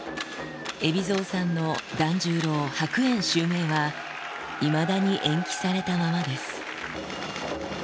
海老蔵さんの團十郎白猿襲名は、いまだに延期されたままです。